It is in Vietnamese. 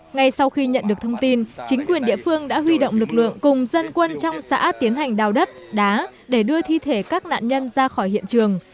ngay sau khi nhận được thông tin chính quyền địa phương đã huy động lực lượng cùng dân quân trong xã tiến hành đào đất đá để đưa thi thể các nạn nhân ra khỏi hiện trường